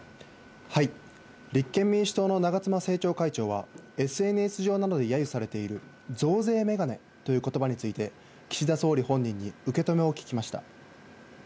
立憲民主党の長妻政調会長は、ＳＮＳ上などでやゆされている、増税メガネということばについて、岸田総理本人に受け止めを聞きました。